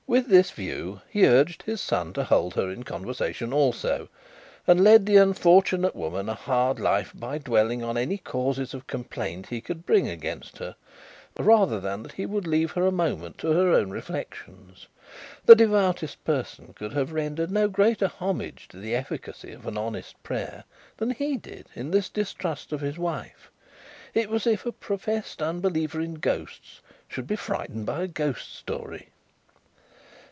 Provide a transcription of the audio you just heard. With this view, he urged his son to hold her in conversation also, and led the unfortunate woman a hard life by dwelling on any causes of complaint he could bring against her, rather than he would leave her for a moment to her own reflections. The devoutest person could have rendered no greater homage to the efficacy of an honest prayer than he did in this distrust of his wife. It was as if a professed unbeliever in ghosts should be frightened by a ghost story.